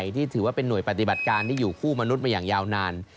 ที่ถือว่าเป็นหน่วยปฏิบัติการที่อยู่คู่มนุษย์มาอย่างยาวนาน